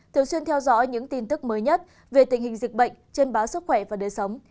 thường xuyên theo dõi những tin tức mới nhất về tình hình dịch bệnh trên báo sức khỏe và đời sống